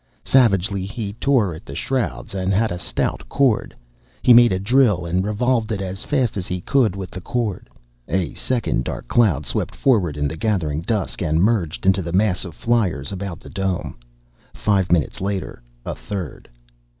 Savagely, he tore at the shrouds and had a stout cord. He made a drill and revolved it as fast as he could with the cord.... A second dark cloud swept forward in the gathering dusk and merged into the mass of fliers about the dome. Five minutes later, a third.